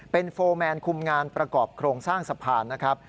เป็นโฟร์แมนคุมงานประกอบโครงสร้างสะพานนะครับ